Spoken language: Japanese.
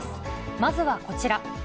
まずはこちら。